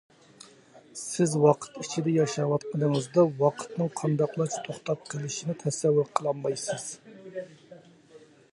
سىز ۋاقىت ئىچىدە ياشاۋاتقىنىڭىزدا، ۋاقىتنىڭ قانداقلارچە توختاپ قېلىشىنى تەسەۋۋۇر قىلالمايسىز.